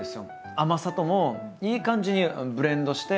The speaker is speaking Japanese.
甘さともいい感じにブレンドして。